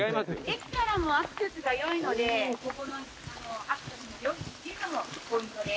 駅からもアクセスが良いのでここのあのうアクセスの良いっていうのもポイントです。